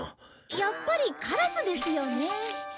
やっぱりカラスですよね。